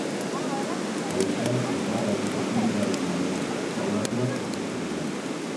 Haizeak indarra egiten du uraren gainean eta olatuak osatzen dira.